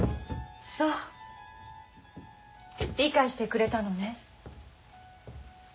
そう理解してくれたのね。